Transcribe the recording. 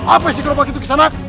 apa isi gerobak itu gisanak